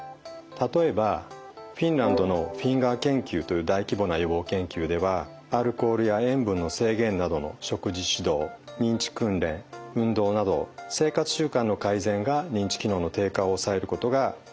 例えばフィンランドのＦＩＮＧＥＲ研究という大規模な予防研究ではアルコールや塩分の制限などの食事指導認知訓練運動など生活習慣の改善が認知機能の低下を抑えることが分かったんですね。